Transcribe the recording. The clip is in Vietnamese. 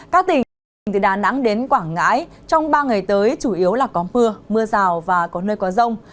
các tỉnh các tỉnh từ đà nẵng đến quảng ngãi trong ba ngày tới chủ yếu là có mưa mưa rào và có nơi có rông